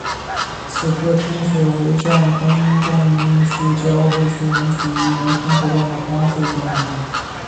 而此刻天水围站公共运输交汇处仍处于原封不动的荒废状态。